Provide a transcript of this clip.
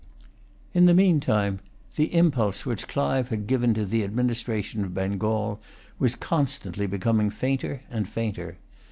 In the meantime, the impulse which Clive had given to the administration of Bengal was constantly becoming fainter and fainter.